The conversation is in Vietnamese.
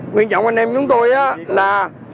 nguyên trọng của anh em chúng tôi là